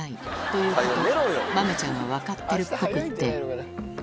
ということは、豆ちゃんは分かってるぽくって。